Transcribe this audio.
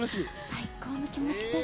最高の気持ちです。